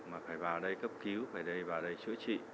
mà phải vào đây cấp cứu phải đây vào đây chữa trị